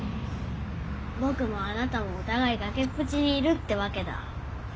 ぼくもあなたもお互い崖っぷちにいるってわけだ。